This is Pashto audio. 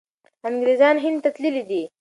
انګریزان هند ته تللي دي.